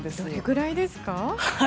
どれくらいですか？